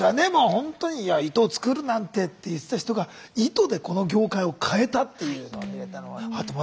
ほんとに「糸を作るなんて」って言ってた人が糸でこの業界を変えたっていうのを見れたのは。